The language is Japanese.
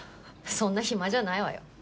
そんな暇じゃないわよ。